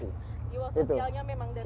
jiwa sosialnya memang dari